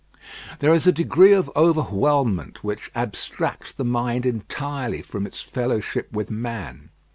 There is a degree of overwhelmment which abstracts the mind entirely from its fellowship with man.